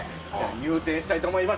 入店したいと思います。